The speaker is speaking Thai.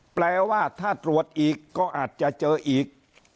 แปลว่าถ้าตรวจอีกก็อาจจะเจออีก